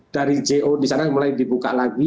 dari jo di sana mulai dibuka lagi